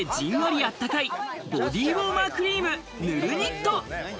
あったかいボディウォーマークリーム、塗るニット。